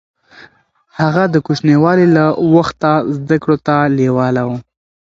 هغه د کوچنيوالي له وخته زده کړو ته لېواله و.